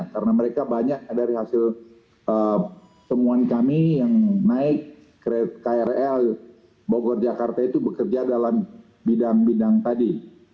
karena mereka banyak dari hasil temuan kami yang naik krl bogor jakarta itu bekerja dalam bidang bidang tadi